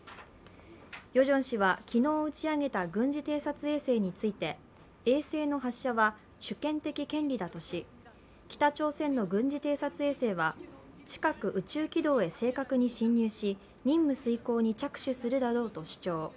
ヨジョン氏は昨日打ち上げた軍事偵察衛星について衛星の発射は主権的権利だとし北朝鮮の軍事偵察衛星は、近く宇宙軌道へ正確に進入し任務遂行に着手するだろうと主張。